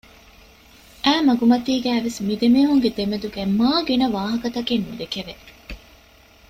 އައި މަގުމަތީގައިވެސް ދެމީހުންގެ ދެމެދުގައި މާ ގިނަ ވާހަކަތަކެއް ނުދެކެވެ